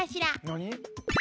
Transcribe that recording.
何？